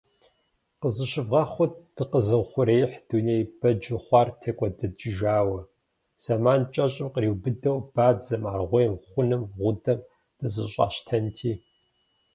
Къызыщывгъэхъут дыкъэзыухъуреихь дунейм бэджу хъуар текIуэдыкIыжауэ. Зэман кIэщIым къриубыдэу бадзэм, аргъуейм, хъуным, гъудэм дызэщIащтэнти.